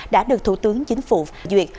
đã được thủ tướng chính phủ